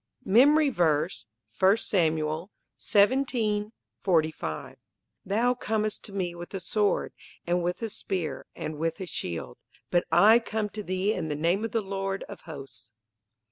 MEMORY VERSE, I Samuel 17: 45 "Thou comest to me with a sword, and with a spear, and with a shield; but I come to thee in the name of the Lord of hosts."